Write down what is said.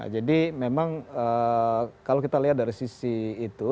jadi memang kalau kita lihat dari sisi itu